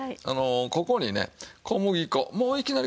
ここにね小麦粉もういきなり。